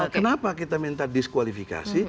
kenapa kita minta diskualifikasi